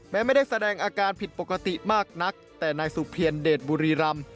ไม่ได้แสดงอาการผิดปกติมากนักแต่นายสุเพียรเดชบุรีรำ